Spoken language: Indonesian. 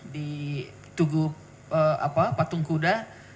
di tugu patung kuda